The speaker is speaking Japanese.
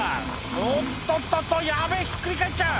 「おっとっとっとヤベェひっくり返っちゃう！」